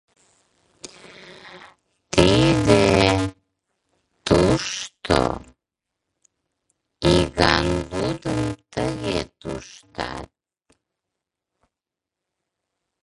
— Тиде — тушто; иган лудым тыге туштат.